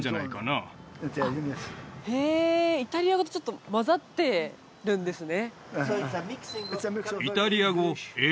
あっへえイタリア語とちょっとまざってるんですね